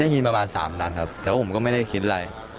ยิงประมาณ๓นัดครับแต่ว่าผมก็ไม่ได้คิดอะไร